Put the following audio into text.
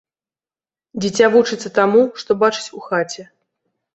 Дзіця вучыцца таму, што бачыць у хаце.